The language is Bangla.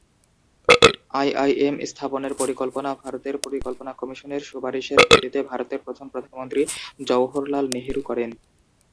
আইআইএম স্থাপনের পরিকল্পনা ভারতের পরিকল্পনা কমিশনের সুপারিশের ভিত্তিতে ভারতের প্রথম প্রধানমন্ত্রী জওহরলাল নেহেরু করেন।